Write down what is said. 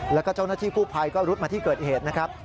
แล้วก็เจ้าหน้าที่กู้ภัยก็รุดมาที่เกิดเหตุนะครับ